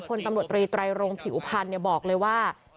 คนตำรวจรีไตรโรงผิวพันธ์บอกเลยว่า